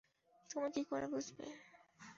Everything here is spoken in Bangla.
তুমি কী করে বুঝবে?